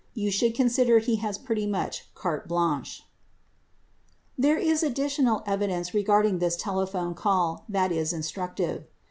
You should consider he has pretty much carte blanche. There is additional evidence regarding this telephone call that is instructive.